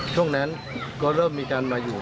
ช่วงนั้นก็เริ่มมีการมาอยู่